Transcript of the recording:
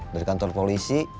dari kantor polisi